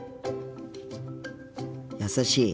優しい。